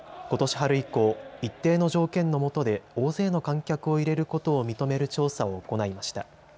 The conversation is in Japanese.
春以降、一定の条件のもとで大勢の観客を入れることを認める調査を行いました。